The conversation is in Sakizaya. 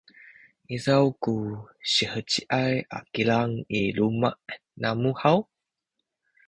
izaw ku siheciay a kilang i luma’ namu haw?